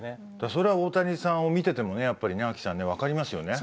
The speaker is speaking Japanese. それは大谷さんを見ててもねやっぱりねＡＫＩさんね分かりますよね？